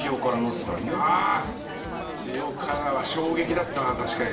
塩辛は衝撃だったな確かに。